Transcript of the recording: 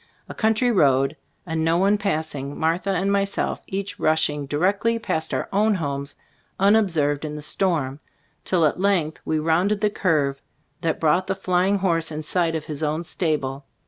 A country road and no one passing. Martha and myself each rushing di rectly past our own homes unobserved in the storm, till at length we rounded the curve that brought the flying horse in sight of his own stable.